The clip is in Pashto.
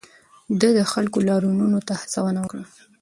ده د خلکو لاریونونو ته هڅونه وکړه.